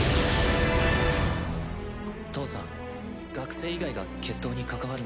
父さん学生以外が決闘に関わるのは。